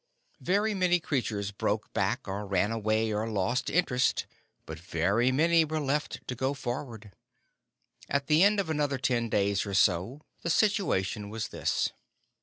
Very many creatures broke back or ran away or lost interest, but very many were left to go forward. At the end of another ten days or so the situation was this.